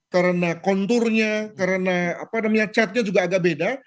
karena konturnya karena catnya juga agak beda